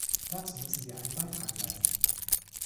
Dazu müssen wir einen Beitrag leisten.